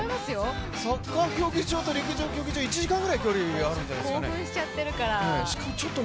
サッカー競技場と陸上競技場、１時間ぐらい距離があるんじゃなかったっけ？